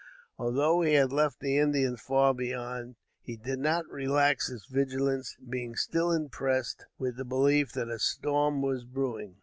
Although he had left the Indians far behind, he did not relax his vigilance, being still impressed with the belief that a storm was brewing.